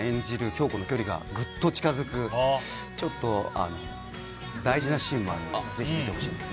響子の距離がぐっと近づくちょっと大事なシーンもあるのでぜひ見てほしいです。